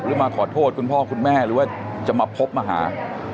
มาขอโทษคุณพ่อคุณแม่หรือว่าจะมาพบมาหา